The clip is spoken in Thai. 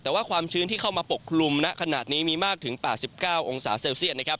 แต่ว่าความชื้นที่เข้ามาปกคลุมณขนาดนี้มีมากถึง๘๙องศาเซลเซียตนะครับ